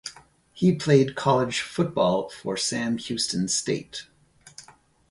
He played college football for Sam Houston State.